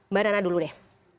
mbak nana dulu deh